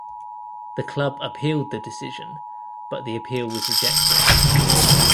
The club appealed the decision but the appeal was rejected.